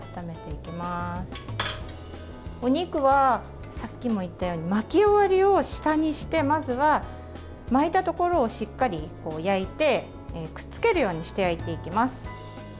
お肉は、さっきも言ったように巻き終わりを下にしてまずは巻いたところをしっかり焼いてくっつけるようにして焼いていきます。